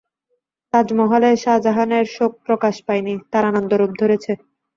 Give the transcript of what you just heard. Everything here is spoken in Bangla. তাজমহলে শাজাহানের শোক প্রকাশ পায় নি, তাঁর আনন্দ রূপ ধরেছে।